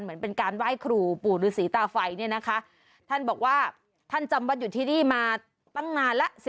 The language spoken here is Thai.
เหมือนเป็นการไหว้ครูปู่ฤษีตาไฟเนี่ยนะคะท่านบอกว่าท่านจำวัดอยู่ที่นี่มาตั้งนานแล้ว